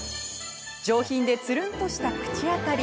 上品で、つるんとした口当たり。